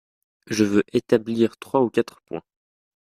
Je veux établir trois ou quatre points.